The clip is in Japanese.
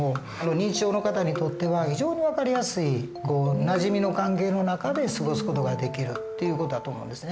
認知症の方にとっては非常に分かりやすいなじみの関係の中で過ごす事ができるっていう事だと思うんですね。